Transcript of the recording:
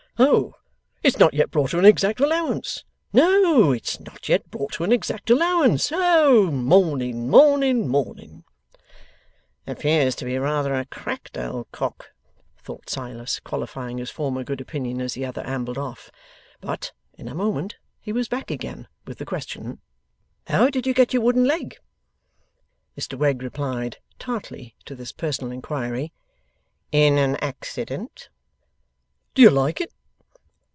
'Oh! It's not yet brought to an exact allowance? No! It's not yet brought to an exact allowance. Oh! Morning, morning, morning!' 'Appears to be rather a cracked old cock,' thought Silas, qualifying his former good opinion, as the other ambled off. But, in a moment he was back again with the question: 'How did you get your wooden leg?' Mr Wegg replied, (tartly to this personal inquiry), 'In an accident.' 'Do you like it?